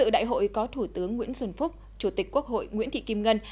đại hội có thủ tướng nguyễn xuân phúc chủ tịch quốc hội nguyễn thị kim ngân